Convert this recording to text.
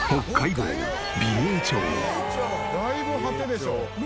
だいぶ果てでしょ。